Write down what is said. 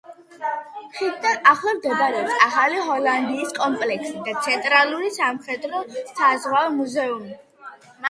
ხიდთან ახლოს მდებარეობს ახალი ჰოლანდიის კომპლექსი და ცენტრალური სამხედრო-საზღვაო მუზეუმი.